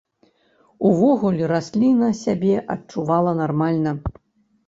Увогуле, расліна сябе адчувала нармальна.